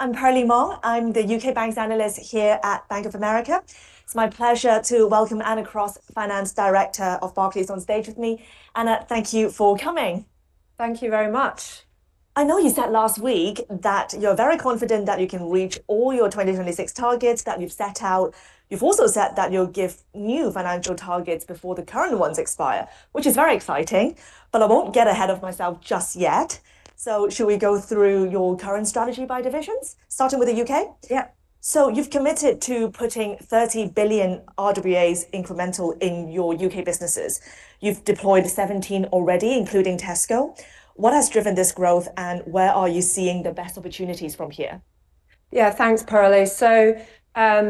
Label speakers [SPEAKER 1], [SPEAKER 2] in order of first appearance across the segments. [SPEAKER 1] I'm Caroline Mong. I'm the UK banks analyst here at Bank of America. It's my pleasure to welcome Anna Cross, Finance Director of Barclays, on stage with me. Anna, thank you for coming.
[SPEAKER 2] Thank you very much.
[SPEAKER 1] I know you said last week that you're very confident that you can reach all your 2026 targets that you've set out. You've also said that you'll give new financial targets before the current ones expire, which is very exciting. I won't get ahead of myself just yet. Should we go through your current strategy by divisions, starting with the UK?
[SPEAKER 2] Yeah.
[SPEAKER 1] You've committed to putting £30 billion RWAs incremental in your UK businesses. You've deployed £17 billion already, including Tesco. What has driven this growth, and where are you seeing the best opportunities from here?
[SPEAKER 2] Yeah, thanks, Caroline. We've got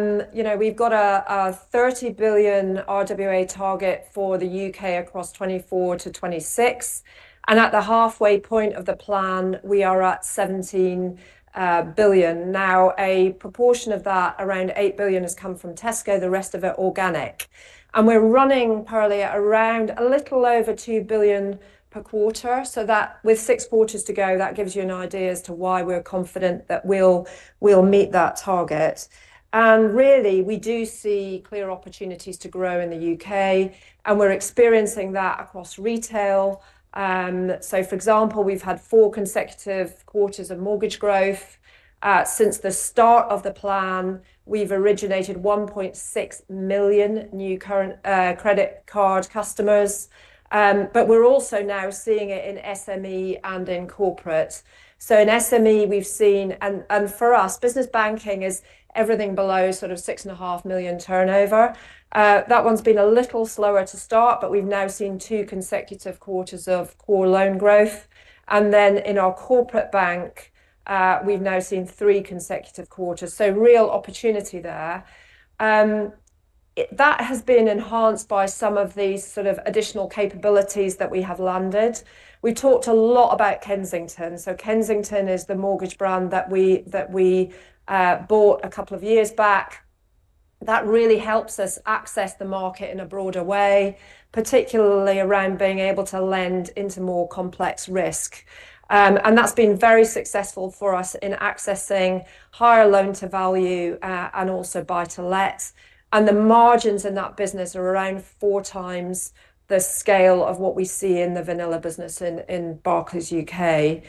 [SPEAKER 2] a £30 billion RWA target for the UK across 2024 to 2026. At the halfway point of the plan, we are at £17 billion now. A proportion of that, around £8 billion, has come from Tesco. The rest of it is organic. We're running currently at a little over £2 billion per quarter. With six quarters to go, that gives you an idea as to why we're confident that we'll meet that target. We do see clear opportunities to grow in the UK, and we're experiencing that across retail. For example, we've had four consecutive quarters of mortgage growth. Since the start of the plan, we've originated 1.6 million new current credit card customers. We're also now seeing it in SME and in corporate. In SME, we've seen, and for us, business banking is everything below sort of £6.5 million turnover. That one's been a little slower to start, but we've now seen two consecutive quarters of core loan growth. In our corporate bank, we've now seen three consecutive quarters. Real opportunity there. That has been enhanced by some of these additional capabilities that we have landed. We talked a lot about Kensington. Kensington is the mortgage brand that we bought a couple of years back. That really helps us access the market in a broader way, particularly around being able to lend into more complex risk. That's been very successful for us in accessing higher loan to value and also buy-to-lets. The margins in that business are around four times the scale of what we see in the vanilla business in Barclays UK.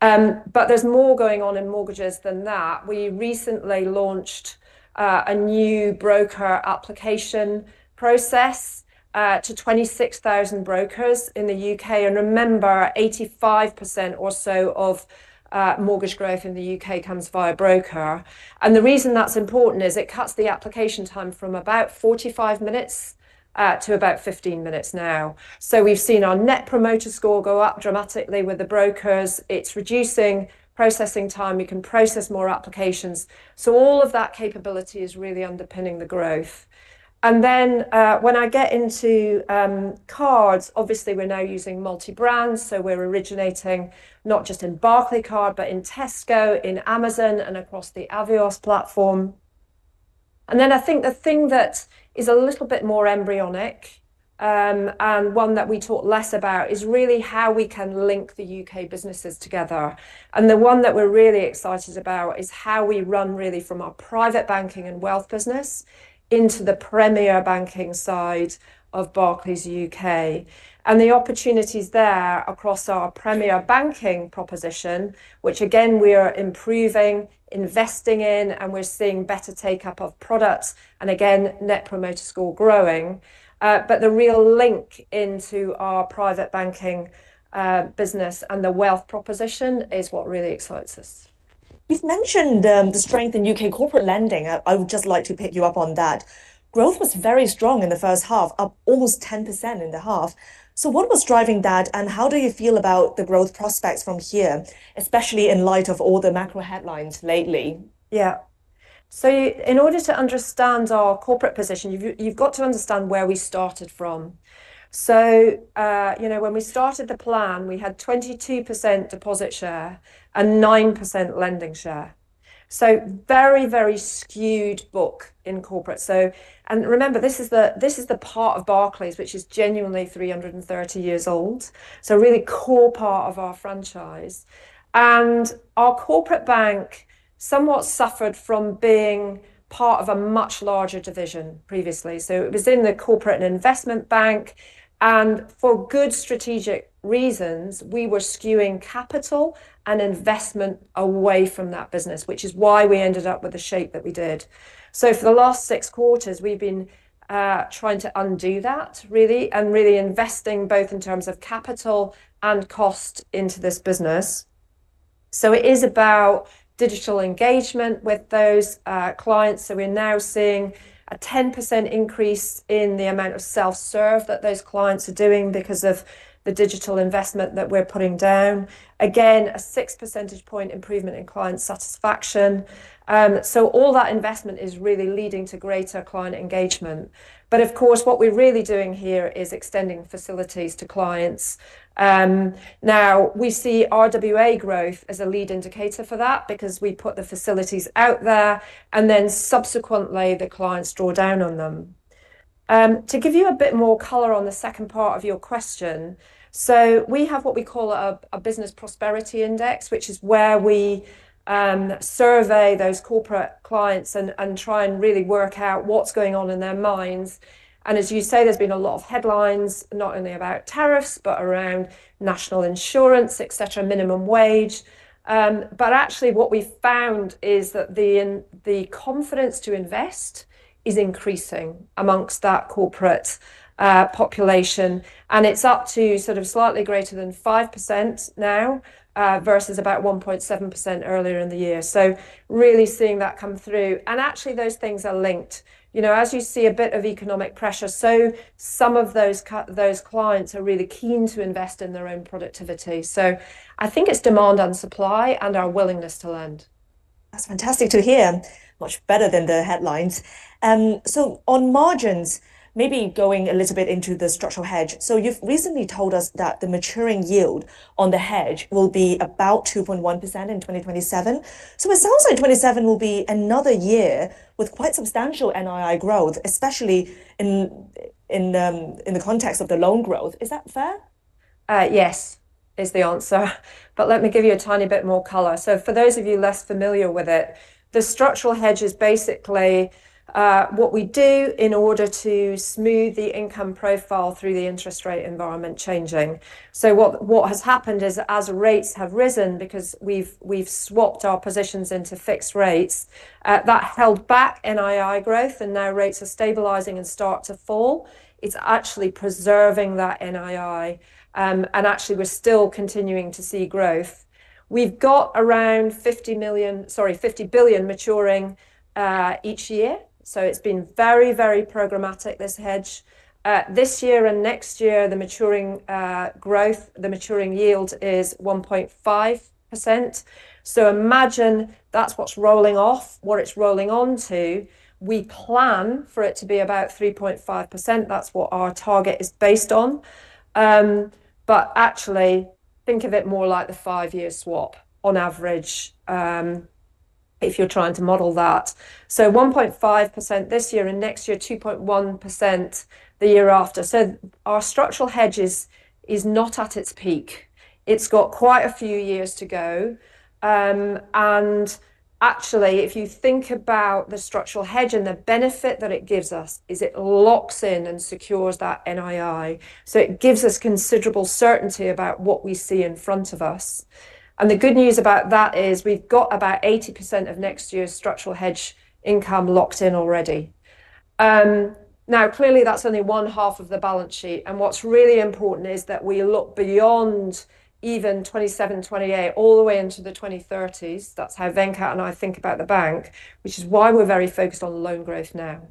[SPEAKER 2] There's more going on in mortgages than that. We recently launched a new broker application process to 26,000 brokers in the UK. Remember, 85% or so of mortgage growth in the UK comes via a broker. The reason that's important is it cuts the application time from about 45 minutes to about 15 minutes now. We've seen our net promoter score go up dramatically with the brokers. It's reducing processing time. You can process more applications. All of that capability is really underpinning the growth. When I get into cards, obviously we're now using multi-brands. We're originating not just in Barclaycard, but in Tesco, in Amazon, and across the Avios platform. I think the thing that is a little bit more embryonic and one that we talk less about is really how we can link the UK businesses together. The one that we're really excited about is how we run really from our private banking and wealth business into the Premier Banking side of Barclays UK. The opportunities there across our Premier Banking proposition, which again we are improving, investing in, and we're seeing better take-up of products and again net promoter score growing. The real link into our private banking business and the wealth proposition is what really excites us.
[SPEAKER 1] You've mentioned the strength in UK corporate lending. I would just like to pick you up on that. Growth was very strong in the first half, up almost 10% in the half. What was driving that, and how do you feel about the growth prospects from here, especially in light of all the macro headlines lately?
[SPEAKER 2] Yeah. In order to understand our corporate position, you've got to understand where we started from. When we started the plan, we had 22% deposit share and 9% lending share, so very, very skewed book in corporate. Remember, this is the part of Barclays which is genuinely 330 years old, a really core part of our franchise. Our corporate bank somewhat suffered from being part of a much larger division previously. It was in the corporate and investment bank, and for good strategic reasons, we were skewing capital and investment away from that business, which is why we ended up with the shape that we did. For the last six quarters, we've been trying to undo that and really investing both in terms of capital and cost into this business. It is about digital engagement with those clients. We're now seeing a 10% increase in the amount of self-serve that those clients are doing because of the digital investment that we're putting down. Again, a six percentage point improvement in client satisfaction. All that investment is really leading to greater client engagement. Of course, what we're really doing here is extending facilities to clients. Now we see RWA growth as a lead indicator for that because we put the facilities out there and then subsequently the clients draw down on them. To give you a bit more color on the second part of your question, we have what we call a business prosperity index, which is where we survey those corporate clients and try and really work out what's going on in their minds. As you say, there's been a lot of headlines not only about tariffs, but around national insurance, etc., minimum wage. Actually, what we found is that the confidence to invest is increasing amongst that corporate population, and it's up to sort of slightly greater than 5% now versus about 1.7% earlier in the year. Really seeing that come through. Actually, those things are linked. As you see a bit of economic pressure, some of those clients are really keen to invest in their own productivity. I think it's demand and supply and our willingness to lend.
[SPEAKER 1] That's fantastic to hear. Much better than the headlines. On margins, maybe going a little bit into the structural hedge. You've recently told us that the maturing yield on the hedge will be about 2.1% in 2027. It sounds like 2027 will be another year with quite substantial NII growth, especially in the context of the loan growth. Is that fair?
[SPEAKER 2] Yes, is the answer. Let me give you a tiny bit more color. For those of you less familiar with it, the structural hedge is basically what we do in order to smooth the income profile through the interest rate environment changing. What has happened is as rates have risen, because we've swapped our positions into fixed rates, that held back NII growth and now rates are stabilizing and start to fall. It's actually preserving that NII. We're still continuing to see growth. We've got around £50 billion maturing each year. It's been very, very programmatic, this hedge. This year and next year, the maturing yield is 1.5%. Imagine that's what's rolling off, what it's rolling onto. We plan for it to be about 3.5%. That's what our target is based on. Think of it more like the five-year swap on average if you're trying to model that. 1.5% this year and next year, 2.1% the year after. Our structural hedge is not at its peak. It's got quite a few years to go. If you think about the structural hedge and the benefit that it gives us, it locks in and secures that NII. It gives us considerable certainty about what we see in front of us. The good news about that is we've got about 80% of next year's structural hedge income locked in already. Clearly, that's only one half of the balance sheet. What's really important is that we look beyond even 2027, 2028, all the way into the 2030s. That's how Venkat and I think about the bank, which is why we're very focused on loan growth now.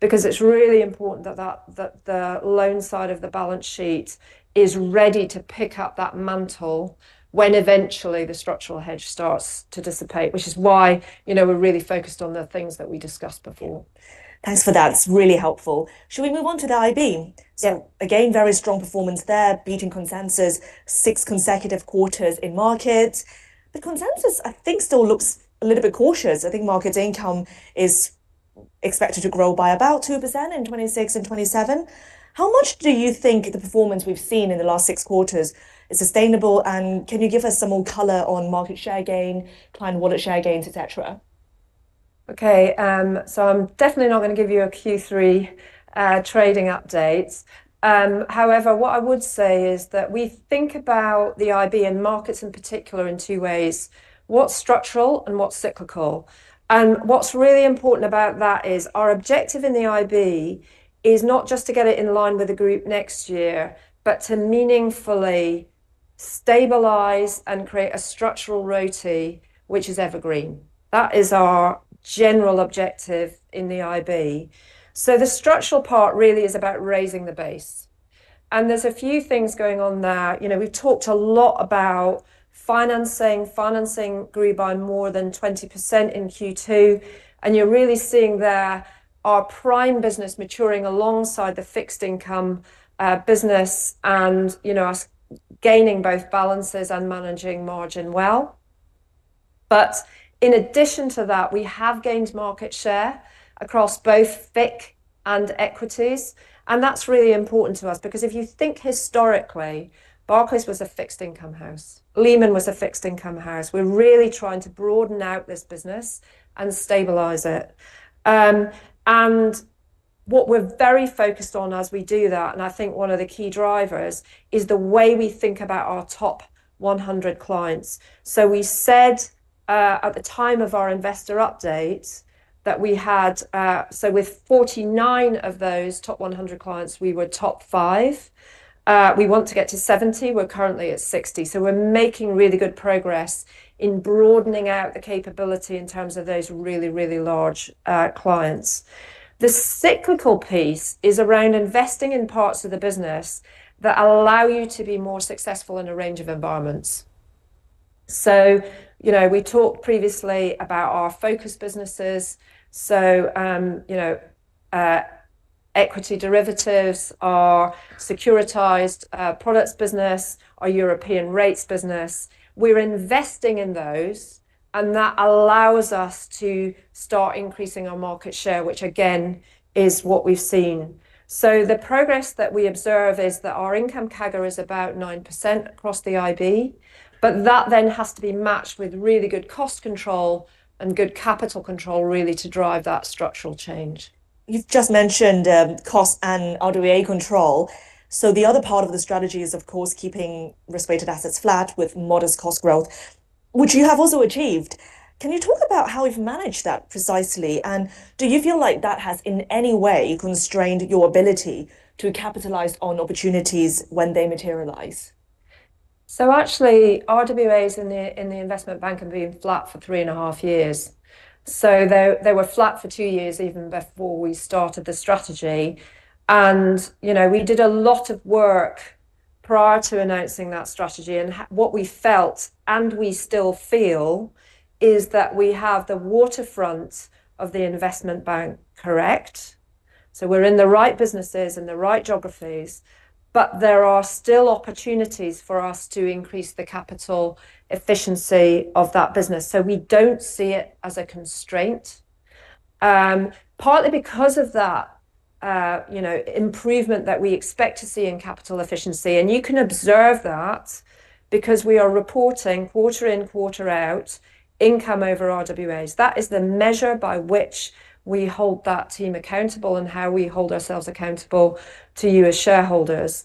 [SPEAKER 2] It's really important that the loan side of the balance sheet is ready to pick up that mantle when eventually the structural hedge starts to dissipate, which is why we're really focused on the things that we discussed before.
[SPEAKER 1] Thanks for that. It's really helpful. Shall we move on to the IB?
[SPEAKER 2] Yeah.
[SPEAKER 1] Again, very strong performance there, beating consensus, six consecutive quarters in markets. The consensus, I think, still looks a little bit cautious. I think market income is expected to grow by about 2% in 2026 and 2027. How much do you think the performance we've seen in the last six quarters is sustainable? Can you give us some more color on market share gain, client wallet share gains, et cetera?
[SPEAKER 2] OK, so I'm definitely not going to give you a Q3 trading update. However, what I would say is that we think about the IB and markets in particular in two ways, what's structural and what's cyclical. What's really important about that is our objective in the IB is not just to get it in line with the group next year, but to meaningfully stabilize and create a structural royalty, which is evergreen. That is our general objective in the IB. The structural part really is about raising the base. There are a few things going on there. We've talked a lot about financing, financing grew by more than 20% in Q2. You're really seeing there our prime business maturing alongside the fixed income business and us gaining both balances and managing margin well. In addition to that, we have gained market share across both FIC and equities. That's really important to us because if you think historically, Barclays was a fixed income house. Lehman was a fixed income house. We're really trying to broaden out this business and stabilize it. What we're very focused on as we do that, and I think one of the key drivers is the way we think about our top 100 clients. We said at the time of our investor update that we had, so with 49 of those top 100 clients, we were top five. We want to get to 70. We're currently at 60. We're making really good progress in broadening out the capability in terms of those really, really large clients. The cyclical piece is around investing in parts of the business that allow you to be more successful in a range of environments. We talked previously about our focus businesses, equity derivatives, our securitized products business, our European rates business. We're investing in those. That allows us to start increasing our market share, which again is what we've seen. The progress that we observe is that our income CAGR is about 9% across the IB. That then has to be matched with really good cost control and good capital control, really, to drive that structural change.
[SPEAKER 1] You've just mentioned cost and RWA control. The other part of the strategy is, of course, keeping risk-weighted assets flat with modest cost growth, which you have also achieved. Can you talk about how you've managed that precisely? Do you feel like that has in any way constrained your ability to capitalize on opportunities when they materialize?
[SPEAKER 2] RWAs in the investment bank have been flat for three and a half years. They were flat for two years even before we started the strategy. We did a lot of work prior to announcing that strategy. What we felt, and we still feel, is that we have the waterfront of the investment bank correct. We're in the right businesses and the right geographies. There are still opportunities for us to increase the capital efficiency of that business. We don't see it as a constraint, partly because of that improvement that we expect to see in capital efficiency. You can observe that because we are reporting quarter in, quarter out income over RWAs. That is the measure by which we hold that team accountable and how we hold ourselves accountable to you as shareholders.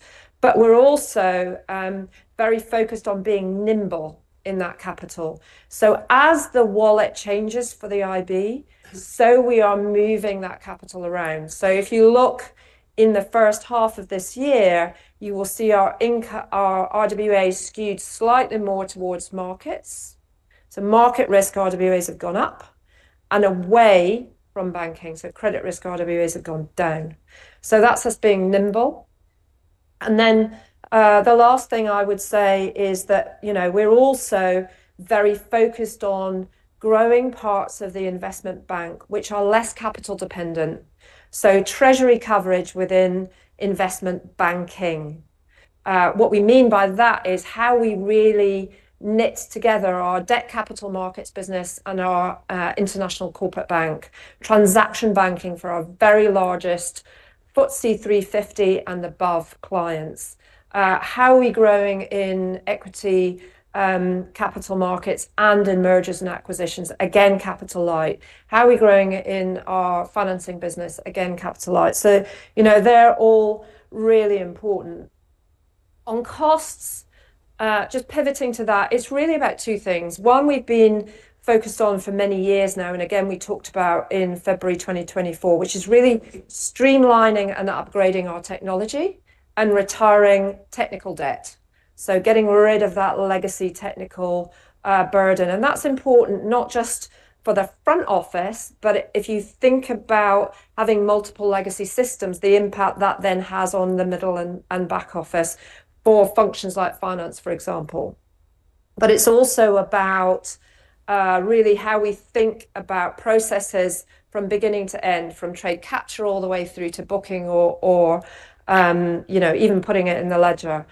[SPEAKER 2] We're also very focused on being nimble in that capital. As the wallet changes for the IB, we are moving that capital around. If you look in the first half of this year, you will see our RWAs skewed slightly more towards markets. Market risk RWAs have gone up and away from banking. Credit risk RWAs have gone down. That's us being nimble. The last thing I would say is that we're also very focused on growing parts of the investment bank which are less capital dependent. Treasury coverage within investment banking—what we mean by that is how we really knit together our debt capital markets business and our international corporate bank transaction banking for our very largest FTSE 350 and above clients. How are we growing in equity capital markets and in M&A? Again, capital light. How are we growing in our financing business? Again, capital light. They're all really important. On costs, just pivoting to that, it's really about two things. One, we've been focused on for many years now, and we talked about in February 2024, which is really streamlining and upgrading our technology and retiring technical debt. Getting rid of that legacy technical burden is important not just for the front office, but if you think about having multiple legacy systems, the impact that then has on the middle and back office for functions like finance, for example. It's also about really how we think about processes from beginning to end, from trade capture all the way through to booking or even putting it in the ledger.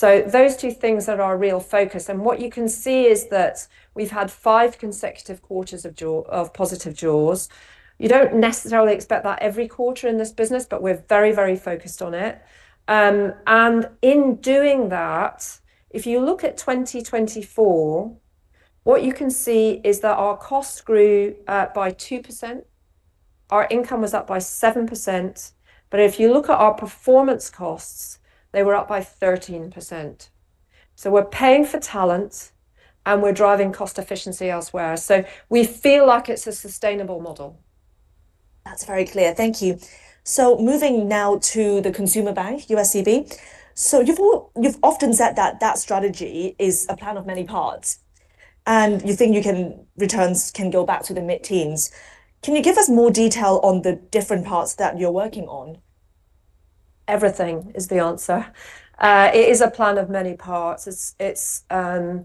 [SPEAKER 2] Those two things are our real focus. What you can see is that we've had five consecutive quarters of positive draws. You don't necessarily expect that every quarter in this business, but we're very, very focused on it. In doing that, if you look at 2024, what you can see is that our costs grew by 2%. Our income was up by 7%. If you look at our performance costs, they were up by 13%. We're paying for talent and we're driving cost efficiency elsewhere. We feel like it's a sustainable model.
[SPEAKER 1] That's very clear. Thank you. Moving now to the consumer bank, USCB, you've often said that that strategy is a plan of many parts, and you think your returns can go back to the mid-teens. Can you give us more detail on the different parts that you're working on?
[SPEAKER 2] Everything is the answer. It is a plan of many parts. It's a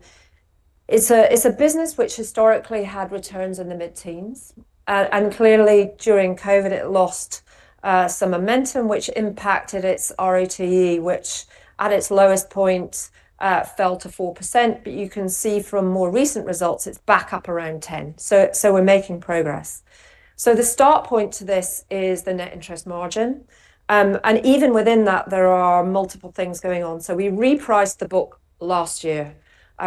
[SPEAKER 2] business which historically had returns in the mid-teens. Clearly, during COVID, it lost some momentum, which impacted its ROT, which at its lowest point fell to 4%. You can see from more recent results, it's back up around 10%. We're making progress. The start point to this is the net interest margin. Even within that, there are multiple things going on. We repriced the book last year.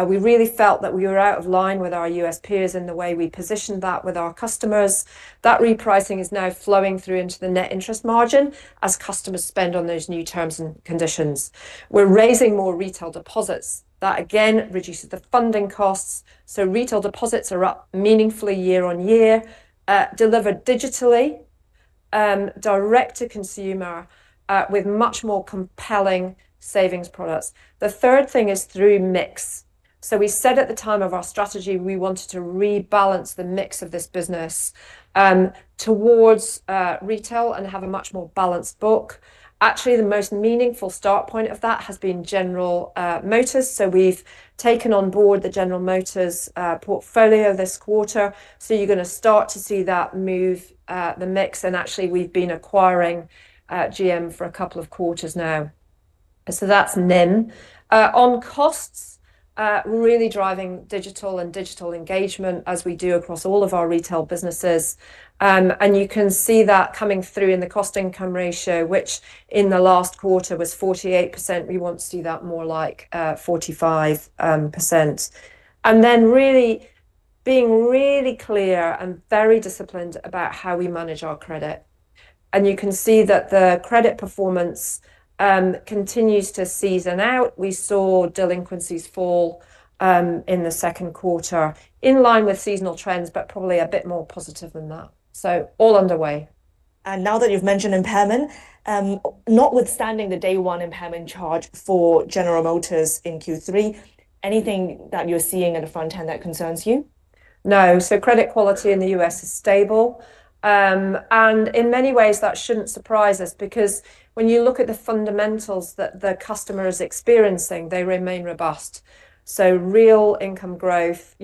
[SPEAKER 2] We really felt that we were out of line with our U.S. peers in the way we positioned that with our customers. That repricing is now flowing through into the net interest margin as customers spend on those new terms and conditions. We're raising more retail deposits. That again reduces the funding costs. Retail deposits are up meaningfully year on year, delivered digitally, direct to consumer with much more compelling savings products. The third thing is through mix. We said at the time of our strategy, we wanted to rebalance the mix of this business towards retail and have a much more balanced book. Actually, the most meaningful start point of that has been General Motors. We've taken on board the General Motors portfolio this quarter. You're going to start to see that move the mix. Actually, we've been acquiring General Motors for a couple of quarters now. That's in. On costs, really driving digital and digital engagement as we do across all of our retail businesses. You can see that coming through in the cost-to-income ratio, which in the last quarter was 48%. We want to see that more like 45%. Really being really clear and very disciplined about how we manage our credit. You can see that the credit performance continues to season out. We saw delinquencies fall in the second quarter in line with seasonal trends, but probably a bit more positive than that. All underway.
[SPEAKER 1] Now that you've mentioned impairment, notwithstanding the day-one impairment charge for General Motors in Q3, is there anything that you're seeing at the front end that concerns you?
[SPEAKER 2] No. Credit quality in the U.S. is stable. In many ways, that shouldn't surprise us because when you look at the fundamentals that the customer is experiencing, they remain robust. Real income growth,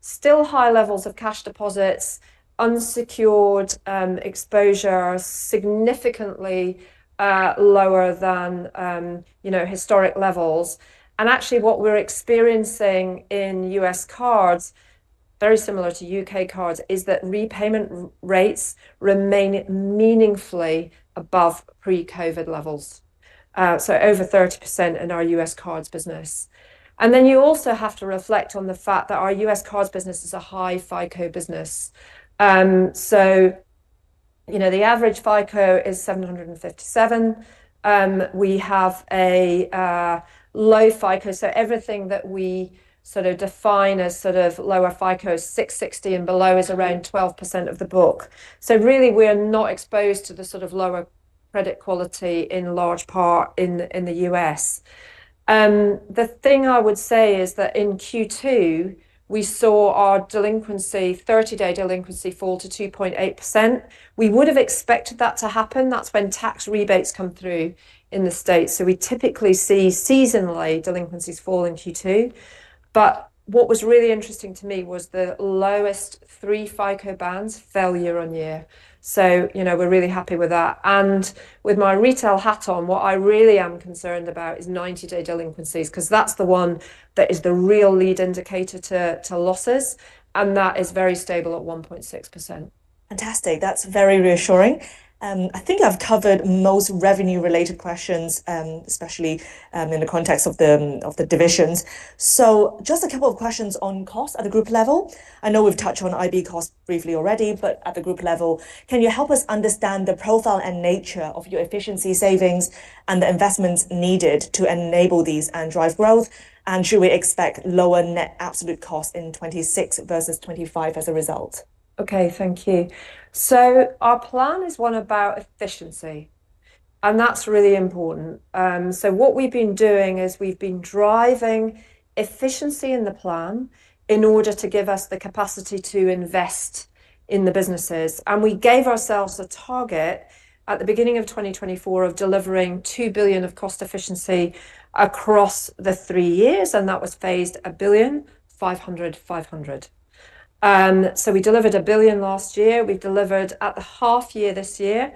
[SPEAKER 2] still high levels of cash deposits, unsecured exposure significantly lower than historic levels. Actually, what we're experiencing in U.S. cards, very similar to U.K. cards, is that repayment rates remain meaningfully above pre-COVID levels, over 30% in our U.S. cards business. You also have to reflect on the fact that our U.S. cards business is a high FICO business. The average FICO is 757. We have a low FICO, so everything that we sort of define as lower FICO, 660 and below, is around 12% of the book. We're not exposed to the sort of lower credit quality in large part in the U.S. In Q2, we saw our delinquency, 30-day delinquency, fall to 2.8%. We would have expected that to happen. That's when tax rebates come through in the States. We typically see seasonally delinquencies fall in Q2. What was really interesting to me was the lowest three FICO bands fell year on year. We're really happy with that. With my retail hat on, what I really am concerned about is 90-day delinquencies because that's the one that is the real lead indicator to losses. That is very stable at 1.6%.
[SPEAKER 1] Fantastic. That's very reassuring. I think I've covered most revenue-related questions, especially in the context of the divisions. Just a couple of questions on cost at the group level. I know we've touched on IB costs briefly already, but at the group level, can you help us understand the profile and nature of your efficiency savings and the investments needed to enable these and drive growth? Should we expect lower net absolute costs in 2026 versus 2025 as a result?
[SPEAKER 2] OK, thank you. Our plan is one about efficiency, and that's really important. What we've been doing is we've been driving efficiency in the plan in order to give us the capacity to invest in the businesses. We gave ourselves a target at the beginning of 2024 of delivering £2 billion of cost efficiency across the three years, and that was phased £1.5 billion, £500 million. We delivered £1 billion last year. We've delivered at the half year this year,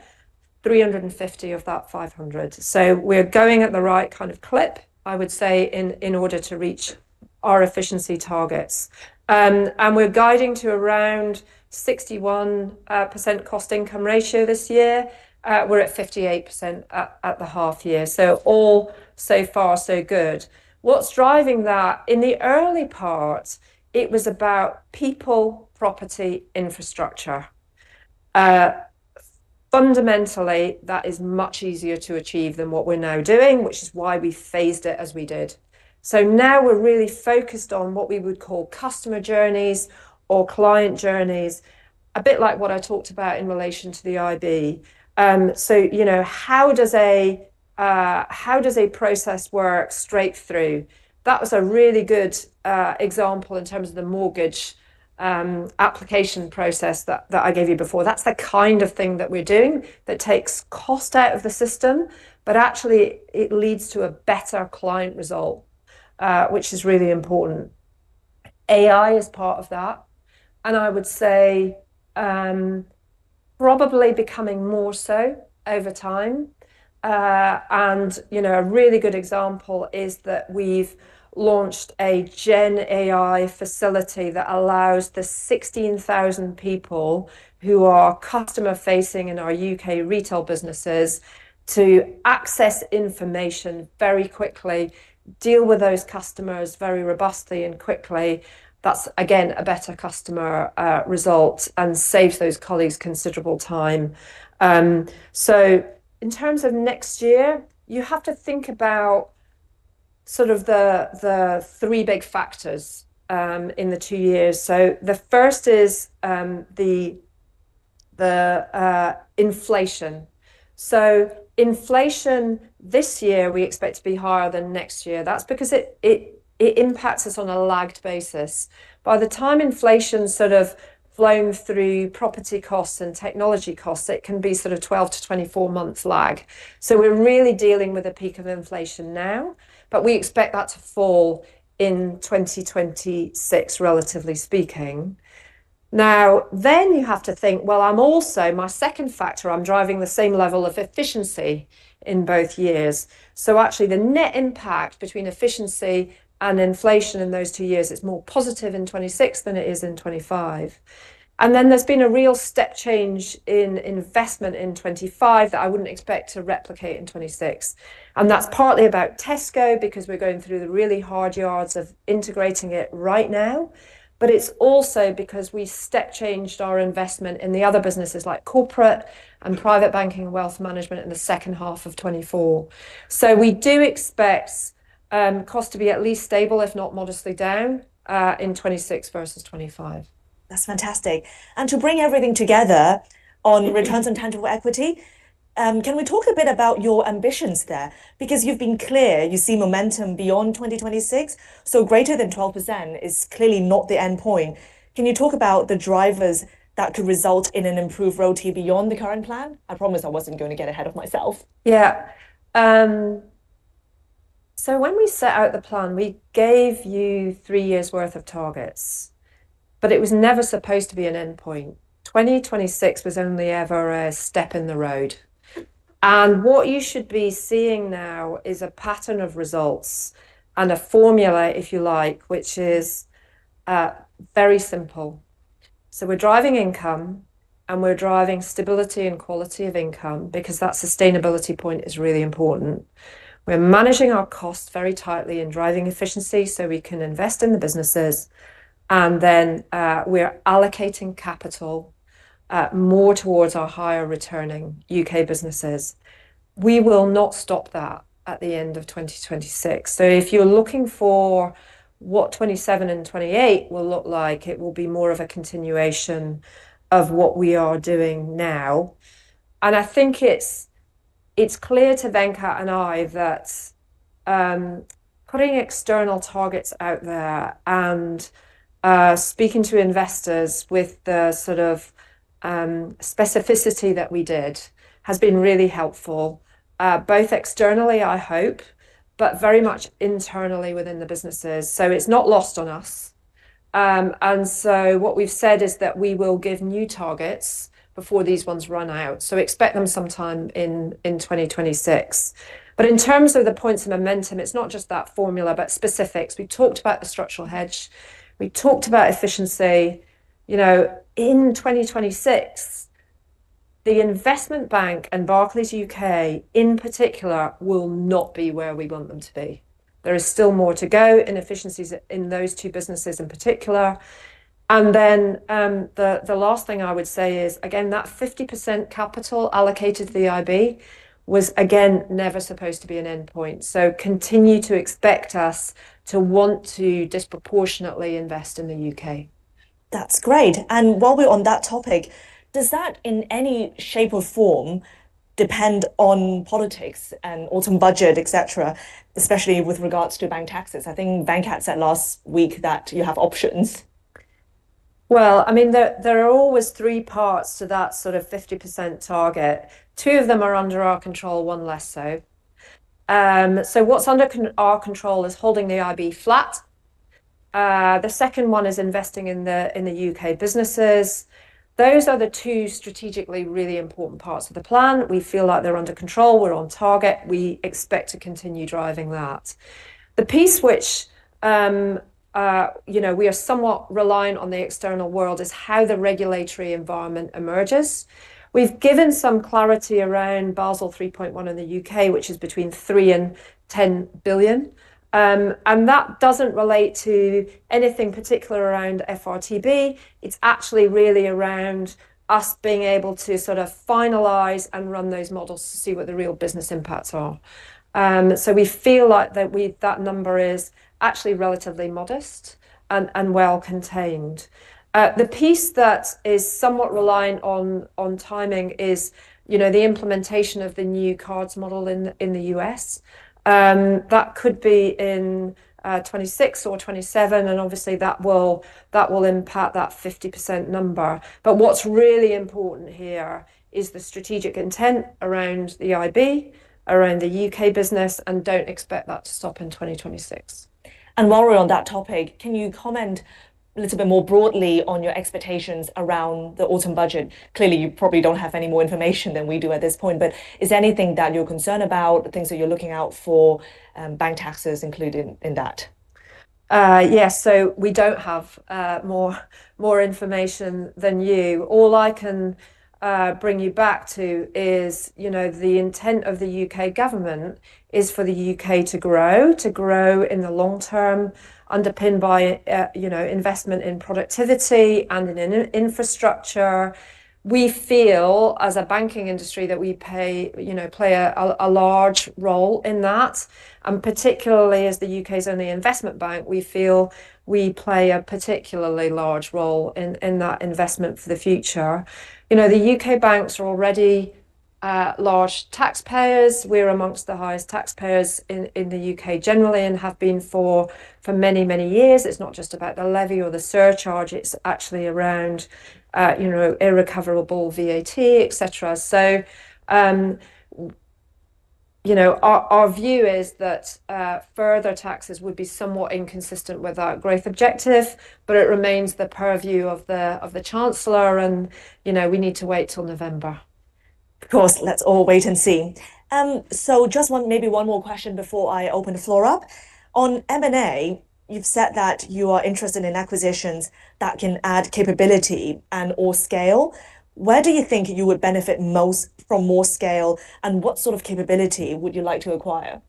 [SPEAKER 2] £350 million of that £500 million. We're going at the right kind of clip, I would say, in order to reach our efficiency targets. We're guiding to around 61% cost-to-income ratio this year. We're at 58% at the half year, so all so far, so good. What's driving that? In the early part, it was about people, property, infrastructure. Fundamentally, that is much easier to achieve than what we're now doing, which is why we phased it as we did. Now we're really focused on what we would call customer journeys or client journeys, a bit like what I talked about in relation to the IB. You know, how does a process work straight through? That was a really good example in terms of the mortgage application process that I gave you before. That's the kind of thing that we're doing that takes cost out of the system, but actually, it leads to a better client result, which is really important. AI is part of that, and I would say probably becoming more so over time. A really good example is that we've launched a Gen AI facility that allows the 16,000 people who are customer-facing in our UK retail businesses to access information very quickly, deal with those customers very robustly and quickly. That's, again, a better customer result and saves those colleagues considerable time. In terms of next year, you have to think about the three big factors in the two years. The first is the inflation. Inflation this year we expect to be higher than next year. That's because it impacts us on a lagged basis. By the time inflation's flown through property costs and technology costs, it can be 12 to 24 months lag. We're really dealing with a peak of inflation now, but we expect that to fall in 2026, relatively speaking. You have to think, my second factor, I'm driving the same level of efficiency in both years. Actually, the net impact between efficiency and inflation in those two years is more positive in 2026 than it is in 2025. There has been a real step change in investment in 2025 that I wouldn't expect to replicate in 2026. That's partly about Tesco because we're going through the really hard yards of integrating it right now. It's also because we step changed our investment in the other businesses like Corporate and Private Banking and Wealth Management in the second half of 2024. We do expect costs to be at least stable, if not modestly down, in 2026 versus 2025.
[SPEAKER 1] That's fantastic. To bring everything together on returns and tangible equity, can we talk a bit about your ambitions there? You've been clear you see momentum beyond 2026. Greater than 12% is clearly not the end point. Can you talk about the drivers that could result in an improved royalty beyond the current plan? I promise I wasn't going to get ahead of myself.
[SPEAKER 2] Yeah. When we set out the plan, we gave you three years' worth of targets. It was never supposed to be an end point. 2026 was only ever a step in the road. What you should be seeing now is a pattern of results and a formula, if you like, which is very simple. We're driving income and we're driving stability and quality of income because that sustainability point is really important. We're managing our costs very tightly and driving efficiency so we can invest in the businesses. We're allocating capital more towards our higher returning UK businesses. We will not stop that at the end of 2026. If you're looking for what 2027 and 2028 will look like, it will be more of a continuation of what we are doing now. I think it's clear to Venkat and I that putting external targets out there and speaking to investors with the sort of specificity that we did has been really helpful, both externally, I hope, but very much internally within the businesses. It's not lost on us. What we've said is that we will give new targets before these ones run out. Expect them sometime in 2026. In terms of the points of momentum, it's not just that formula, but specifics. We talked about the structural hedge. We talked about efficiency. In 2026, the investment bank and Barclays UK in particular will not be where we want them to be. There is still more to go in efficiencies in those two businesses in particular. The last thing I would say is, again, that 50% capital allocated to the IB was again never supposed to be an end point. Continue to expect us to want to disproportionately invest in the UK.
[SPEAKER 1] That's great. While we're on that topic, does that in any shape or form depend on politics and autumn budget, especially with regards to bank taxes? I think Venkat said last week that you have options.
[SPEAKER 2] There are always three parts to that sort of 50% target. Two of them are under our control, one less so. What's under our control is holding the IB flat. The second one is investing in the UK businesses. Those are the two strategically really important parts of the plan. We feel like they're under control. We're on target. We expect to continue driving that. The piece which we are somewhat reliant on the external world is how the regulatory environment emerges. We've given some clarity around Basel 3.1 in the UK, which is between £3 billion and £10 billion. That doesn't relate to anything particular around FRTB. It's actually really around us being able to finalize and run those models to see what the real business impacts are. We feel like that number is actually relatively modest and well contained. The piece that is somewhat reliant on timing is the implementation of the new cards model in the U.S. That could be in 2026 or 2027. Obviously, that will impact that 50% number. What's really important here is the strategic intent around the IB, around the UK business, and don't expect that to stop in 2026.
[SPEAKER 1] While we're on that topic, can you comment a little bit more broadly on your expectations around the autumn budget? Clearly, you probably don't have any more information than we do at this point. Is there anything that you're concerned about, things that you're looking out for, bank taxes included in that?
[SPEAKER 2] Yeah, we don't have more information than you. All I can bring you back to is, you know, the intent of the UK government is for the UK to grow, to grow in the long term, underpinned by, you know, investment in productivity and in infrastructure. We feel as a banking industry that we play a large role in that. Particularly as the UK's only investment bank, we feel we play a particularly large role in that investment for the future. The UK banks are already large taxpayers. We're amongst the highest taxpayers in the UK generally and have been for many, many years. It's not just about the levy or the surcharge. It's actually around, you know, irrecoverable VAT, et cetera. Our view is that further taxes would be somewhat inconsistent with our growth objectives. It remains the purview of the Chancellor. You know, we need to wait till November.
[SPEAKER 1] Of course, let's all wait and see. Maybe one more question before I open the floor up. On M&A, you've said that you are interested in acquisitions that can add capability and/or scale. Where do you think you would benefit most from more scale? What sort of capability would you like to acquire?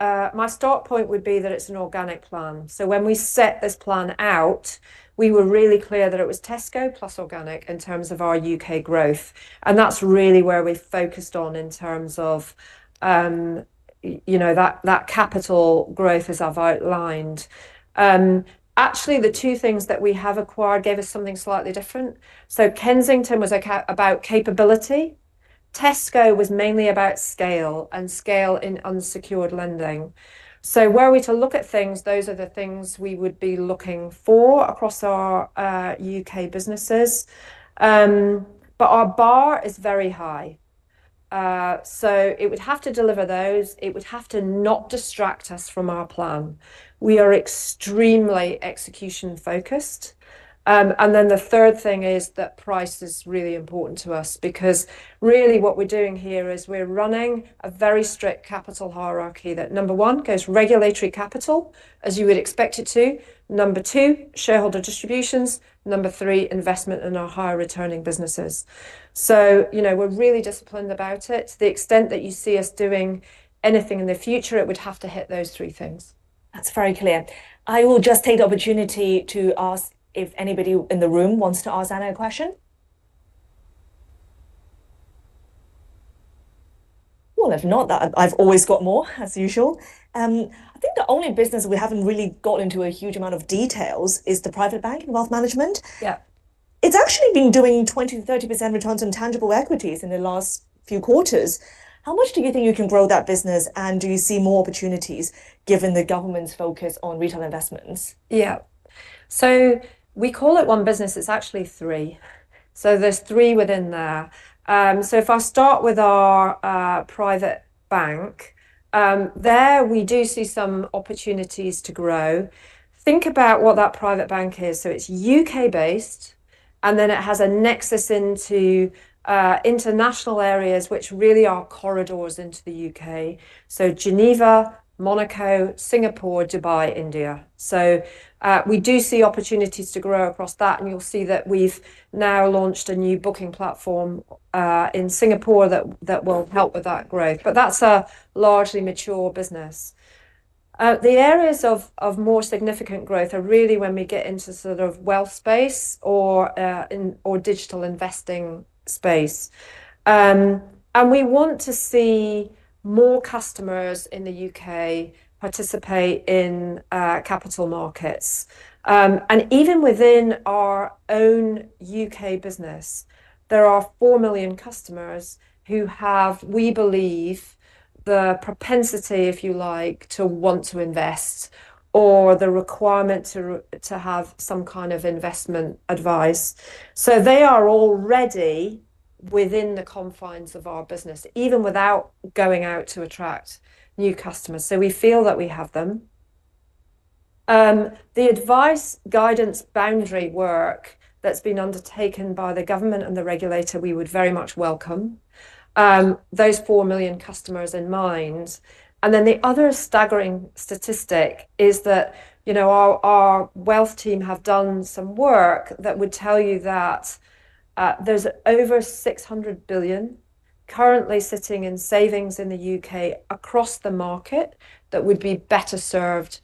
[SPEAKER 2] My start point would be that it's an organic plan. When we set this plan out, we were really clear that it was Tesco plus organic in terms of our UK growth. That's really where we're focused on in terms of that capital growth as I've outlined. Actually, the two things that we have acquired gave us something slightly different. Kensington was about capability. Tesco was mainly about scale and scale in unsecured lending. Where we look at things, those are the things we would be looking for across our UK businesses. Our bar is very high. It would have to deliver those. It would have to not distract us from our plan. We are extremely execution-focused. The third thing is that price is really important to us because really what we're doing here is we're running a very strict capital hierarchy that, number one, goes regulatory capital, as you would expect it to. Number two, shareholder distributions. Number three, investment in our higher returning businesses. We're really disciplined about it. To the extent that you see us doing anything in the future, it would have to hit those three things.
[SPEAKER 1] That's very clear. I will just take the opportunity to ask if anybody in the room wants to ask Anna a question. If not, I've always got more, as usual. I think the only business we haven't really got into a huge amount of detail is the private bank, wealth management.
[SPEAKER 2] Yeah.
[SPEAKER 1] It's actually been doing 20% to 30% returns on tangible equities in the last few quarters. How much do you think you can grow that business? Do you see more opportunities given the government's focus on retail investments?
[SPEAKER 2] Yeah. We call it one business. It's actually three. There are three within there. If I start with our private bank, we do see some opportunities to grow. Think about what that private bank is. It's UK-based, and then it has a nexus into international areas, which really are corridors into the UK: Geneva, Monaco, Singapore, Dubai, India. We do see opportunities to grow across that, and you'll see that we've now launched a new booking platform in Singapore that will help with that growth. That's a largely mature business. The areas of more significant growth are really when we get into wealth space or digital investing space. We want to see more customers in the UK participate in capital markets. Even within our own UK business, there are 4 million customers who have, we believe, the propensity, if you like, to want to invest or the requirement to have some kind of investment advice. They are already within the confines of our business, even without going out to attract new customers. We feel that we have them. The advice guidance boundary work that's been undertaken by the government and the regulator, we would very much welcome those 4 million customers in mind. The other staggering statistic is that our wealth team have done some work that would tell you that there's over £600 billion currently sitting in savings in the UK across the market that would be better served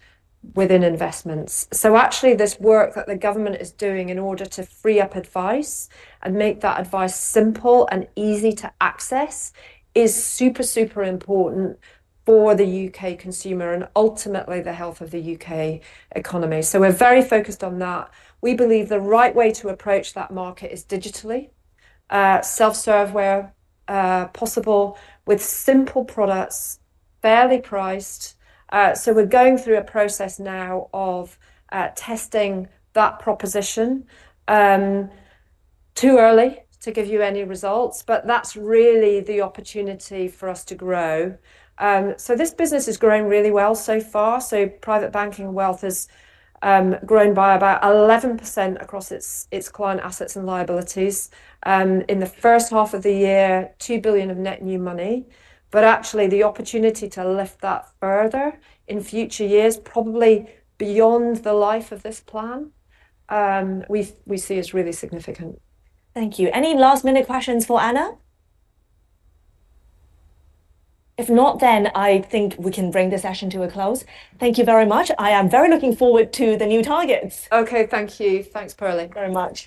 [SPEAKER 2] within investments. This work that the government is doing in order to free up advice and make that advice simple and easy to access is super, super important for the UK consumer and ultimately the health of the UK economy. We're very focused on that. We believe the right way to approach that market is digitally, self-serve where possible, with simple products, fairly priced. We're going through a process now of testing that proposition. Too early to give you any results. That's really the opportunity for us to grow. This business is growing really well so far. Private banking wealth has grown by about 11% across its client assets and liabilities. In the first half of the year, £2 billion of net new money. The opportunity to lift that further in future years, probably beyond the life of this plan, we see is really significant.
[SPEAKER 1] Thank you. Any last-minute questions for Anna? If not, then I think we can bring the session to a close. Thank you very much. I am very looking forward to the new targets.
[SPEAKER 2] OK, thank you. Thanks, Caroline.
[SPEAKER 1] Very much.